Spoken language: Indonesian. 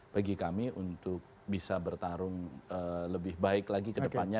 bagi kami untuk bisa bertarung lebih baik lagi ke depannya